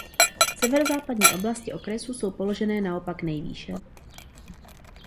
Severozápadní oblasti okresu jsou položené naopak nejvýše.